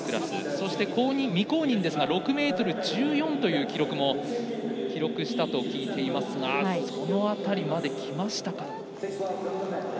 そして、未公認ですが６ｍ１４という記録も記録したと聞いていますがその辺りまできましたかね。